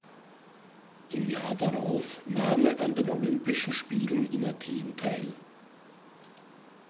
Im Jahr darauf nahm er an den Olympischen Spielen in Athen teil.